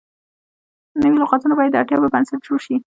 نوي لغتونه باید د اړتیا پر بنسټ جوړ شي.